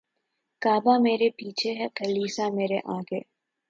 کعبہ مرے پیچھے ہے کلیسا مرے آگے